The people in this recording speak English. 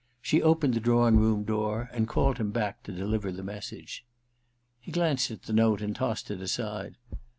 She opened the drawing room door and called him back to deliver the message. He glanced at the note and tossed it aside.